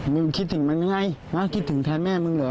มึงคิดถึงมันไงคิดถึงแฟนแม่มึงเหรอ